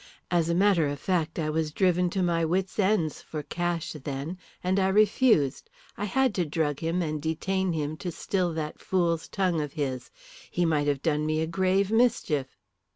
As a matter of fact I was driven to my wits' ends for cash then, and I refused. I had to drug him and detain him to still that fool's tongue of his. He might have done me a grave mischief.